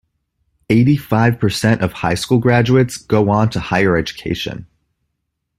Eighty-five percent of high school graduates go on to higher education.